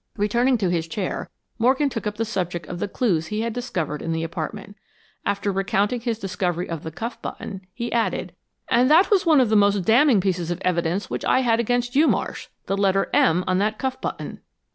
Returning to his chair, Morgan took up the subject of the clues he had discovered in the apartment. After recounting his discovery of the cuff button, he added, "and that was one of the most damning pieces of evidence which I had against you, Marsh the letter "M" on that cuff button."